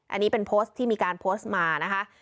อันนี้เป็นโพสต์ที่มีการโพสต์มานะคะ